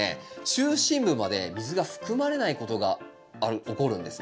中心部まで水が含まれないことが起こるんですね。